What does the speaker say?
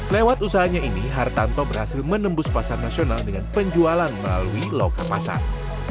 lewat usahanya ini hartanto berhasil menembus pasar nasional dengan penjualan melalui loka pasar